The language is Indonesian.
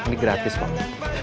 ini gratis bang